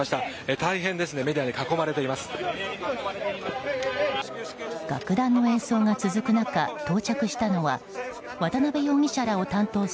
大変メディアに囲まれています。